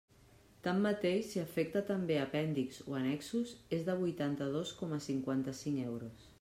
Tanmateix, si afecta també apèndixs o annexos, és de vuitanta-dos coma cinquanta-cinc euros.